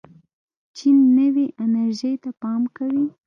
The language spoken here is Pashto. چین نوې انرژۍ ته پام کوي.